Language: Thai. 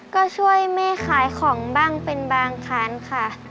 ก็ช่วยแม่ขายของบ้างเป็นบางครั้งค่ะ